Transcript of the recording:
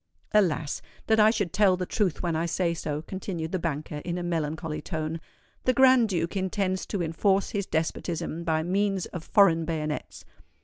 "Alas! that I should tell the truth when I say so," continued the banker, in a melancholy tone. "The Grand Duke intends to enforce his despotism by means of foreign bayonets.